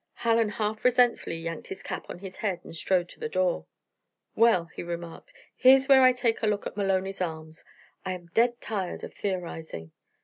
Hallen half resentfully yanked his cap on his head and strode to the door. "Well," he remarked, "here's where I take a look at Maloney's arms I am dead tired of theorizing."